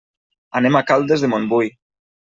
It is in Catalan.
Anem a Caldes de Montbui.